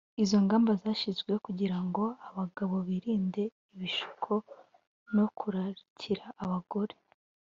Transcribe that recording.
Izo ngamba zashyizweho kugira ngo abagabo birinde ibishuko no kurarikira abagore